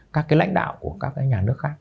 các lãnh đạo của các nhà nước khác